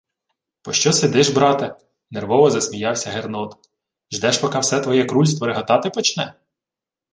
— Пощо сидиш, брате? — нервово засміявся Гернот. — Ждеш, поки все твоє крульство реготати почне?